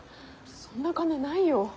そんな金ないよ。